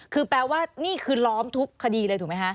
คือแปลว่านี่คือล้อมทุกคดีเลยถูกไหมคะ